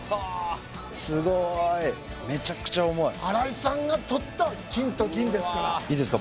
スゴいめちゃくちゃ重い新井さんがとった金と銀ですからいいですか？